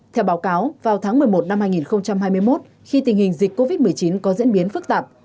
theo báo cáo vào tháng một mươi một năm hai nghìn hai mươi một khi tình hình dịch covid một mươi chín có diễn biến phức tạp